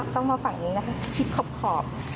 ต้องมาฝั่งนี้นะคะชิดขอบ